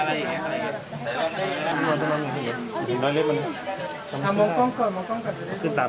ในข้ากรองรอยเนื้อเบอร์มันเป็นครองเกิบ